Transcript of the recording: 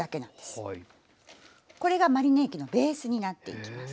これがマリネ液のベースになっていきます。